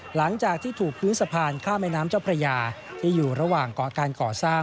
หลังจากที่ถูกพื้นสะพานข้ามแม่น้ำเจ้าพระยาที่อยู่ระหว่างเกาะการก่อสร้าง